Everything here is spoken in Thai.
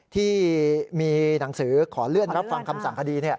ที่มีหนังสือขอเลื่อนรับฟังคำสั่งคดี